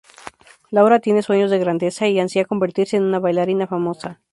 Laura tiene sueños de grandeza y ansía convertirse en una bailarina famosa.